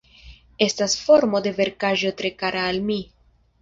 Estas formo de verkaĵo tre kara al mi.